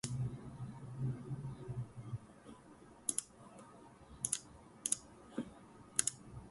Currently, you can choose between eight.